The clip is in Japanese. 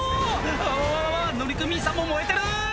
あわわわわ乗組員さんも燃えてる！